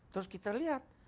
terus kita lihat